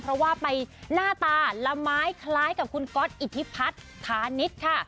เพราะว่าไปหน้าตาละไม้คล้ายกับคุณก๊อตอิทธิพัฒน์ธานิสค่ะ